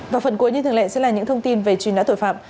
và phần cuối như thường lệ sẽ là những thông tin về truy nã tội phạm